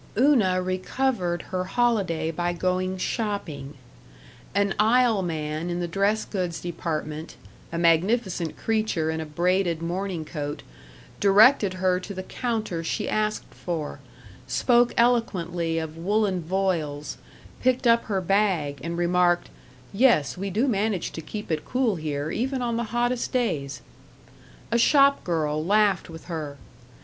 § 5 Una recovered her holiday by going shopping. An aisle man in the dress goods department, a magnificent creature in a braided morning coat, directed her to the counter she asked for, spoke eloquently of woolen voiles, picked up her bag, and remarked, "Yes, we do manage to keep it cool here, even on the hottest days." A shop girl laughed with her.